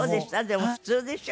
でも普通でしょ